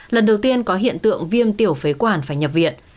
lần đầu tiên có hiện tượng viêm tiểu phế quản phải nhập viện